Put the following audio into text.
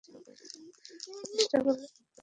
আপনি চেষ্টা করলে আমি গণ্ডগোল বাধাব।